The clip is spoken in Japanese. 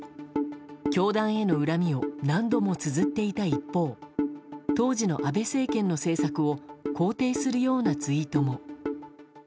教団への恨みを何度もつづっていた一方当時の安倍政権の政策を肯定するようなツイートも。